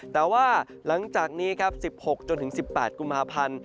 แต่ว่าหลังจากนี้ครับ๑๖จนถึง๑๘กุมภาพันธ์